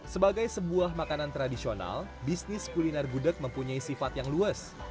sebagai sebuah makanan tradisional bisnis kuliner gudeg mempunyai sifat yang luas